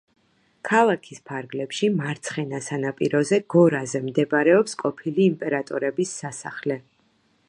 ქალაქის ფარგლებში მარცხენა სანაპიროზე, გორაზე მდებარეობს ყოფილი იმპერატორების სასახლე.